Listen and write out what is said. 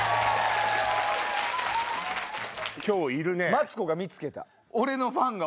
マツコが見つけた。